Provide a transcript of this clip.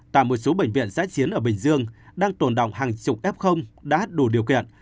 tại một số bệnh viện giãi chiến ở bình dương đang tồn động hàng chục f đã đủ điều kiện